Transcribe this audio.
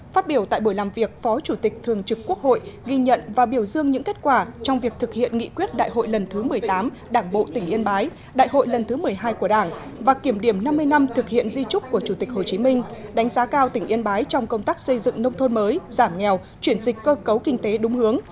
phát biểu tại buổi làm việc phó chủ tịch thường trực quốc hội ghi nhận và biểu dương những kết quả trong việc thực hiện nghị quyết đại hội lần thứ một mươi tám đảng bộ tỉnh yên bái đại hội lần thứ một mươi hai của đảng và kiểm điểm năm mươi năm thực hiện di trúc của chủ tịch hồ chí minh đánh giá cao tỉnh yên bái trong công tác xây dựng nông thôn mới giảm nghèo chuyển dịch cơ cấu kinh tế đúng hướng